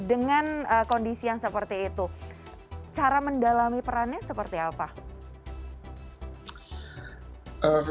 dengan kondisi yang seperti itu cara mendalami perannya seperti apa